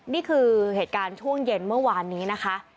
นี่คือเหตุการณ์ช่วงเย็นเมื่อวานนี้นะคะ